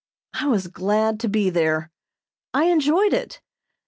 I was glad to be there. I enjoyed it.